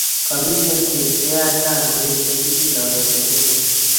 Kimiten beek cheyach kangoeche, tilil oret nguno